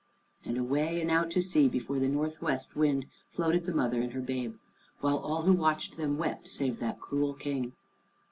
And away and out to sea before the northwest wind floated the mother and her babe, while all who watched them wept, save that cruel King.